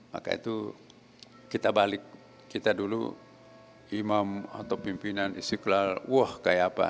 maka itu kita balik kita dulu imam atau pimpinan istiqlal wah kayak apa